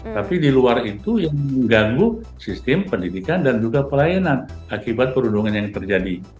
tapi di luar itu yang mengganggu sistem pendidikan dan juga pelayanan akibat perundungan yang terjadi